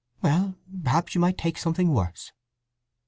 "Well, perhaps you might take something worse."